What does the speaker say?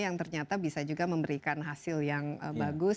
yang ternyata bisa juga memberikan hasil yang bagus